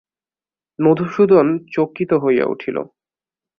মধুসূদন চকিত হয়ে উঠল।